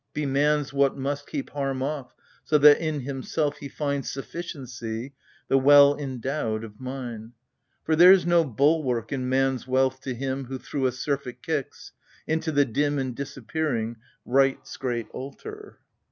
Be man's what must Keep harm off, so that in himself he find Sufficiency — the well endowed of mind ! For there's no bulwark in man's wealth to him Who, through a surfeit, kicks — into the dim And disappearing — Right's great altar.